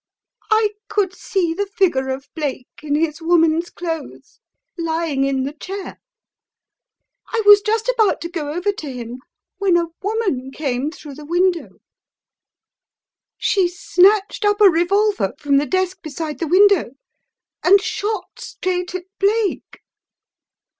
"I could see the figure of Blake in his woman's clothes lying in the chair. I was just about to go over to him when a woman came through the window. "A Tale Unfolded? 9 303 She snatched up a revolver from the desk beside the window and shot straight at Blake.